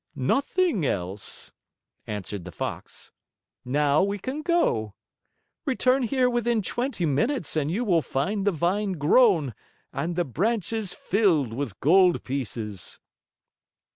"Nothing else," answered the Fox. "Now we can go. Return here within twenty minutes and you will find the vine grown and the branches filled with gold pieces."